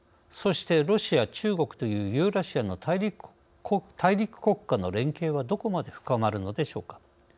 そしてロシア、中国というユーラシアの大陸国家の連携はどこまで深まるのでしょうか。